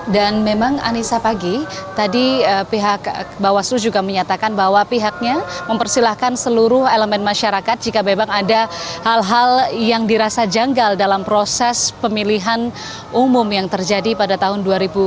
dan memang anissa pagi tadi pihak bawaslu juga menyatakan bahwa pihaknya mempersilahkan seluruh elemen masyarakat jika memang ada hal hal yang dirasa janggal dalam proses pemilihan umum yang terjadi pada tahun dua ribu sembilan belas